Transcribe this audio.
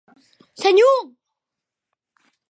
Senhor!